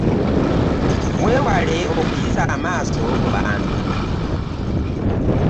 Weewale okuyisa amaaso mu bantu.